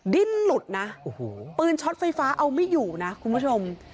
ดิ้นหลุดนะโอ้โหปืนช็อตไฟฟ้าเอาไม่อยู่นะคุณผู้ชม